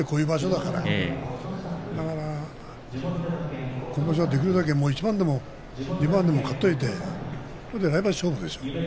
だから今場所はできるだけ１番でも２番でも勝っておいて来場所勝負ですよ。